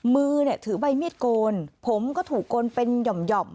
มือเนี่ยถือใบมีดโกนผมก็ถูกโกนเป็นหย่อม